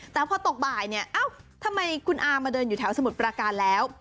แต่พอตกบ่ายเนี่ยเอ้าทำไมคุณอามาเดินอยู่แถวสมุทรปราการแล้ว